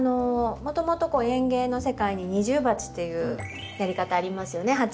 もともと園芸の世界に二重鉢というやり方ありますよね。